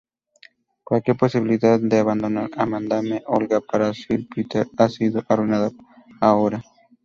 Cualquier posibilidad de abandonar a Madame Olga para Sir Peter ha sido arruinada ahora.